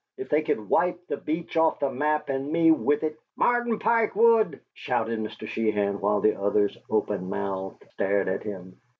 "If they could wipe the Beach off the map and me with it " "Martin Pike would?" shouted Mr. Sheehan, while the others, open mouthed, stared at him.